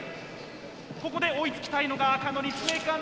ここで追いつきたいのが赤の立命館なんです